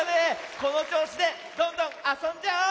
このちょうしでどんどんあそんじゃおう！